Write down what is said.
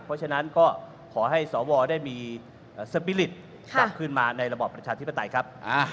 เพราะฉะนั้นก็ขอให้สวได้มีสปิลิตกลับขึ้นมาในระบอบประชาธิปไตยครับ